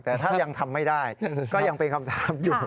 แต่ถ้ายังทำไม่ได้ก็ยังเป็นคำถามอยู่